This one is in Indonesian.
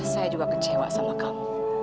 saya juga kecewa sama kamu